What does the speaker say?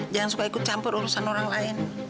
jangan suka ikut campur urusan orang lain